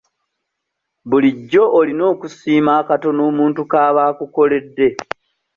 Bulijjo olina okusiima akatono omuntu kaaba akukoledde.